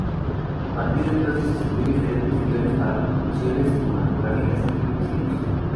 A partir de entonces escribió diferentes guiones para producciones cinematográficas y televisivas.